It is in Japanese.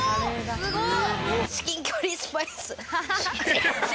すごい。